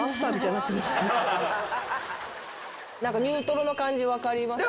ニュートロの感じ分かります？